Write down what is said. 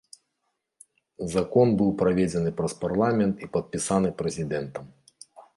Закон быў праведзены праз парламент і падпісаны прэзідэнтам.